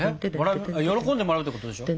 喜んでもらうってことでしょ？